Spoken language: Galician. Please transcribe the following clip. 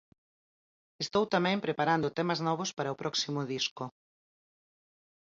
Estou tamén preparando temas novos para o próximo disco.